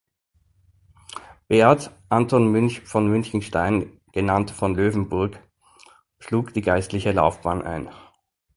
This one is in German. Beat Anton Münch von Münchenstein genannt von Löwenburg schlug die geistliche Laufbahn ein.